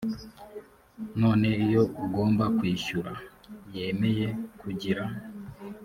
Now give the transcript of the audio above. none iyo ugomba kwishyura yemeye kugira